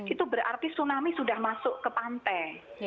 itu berarti tsunami sudah masuk ke pantai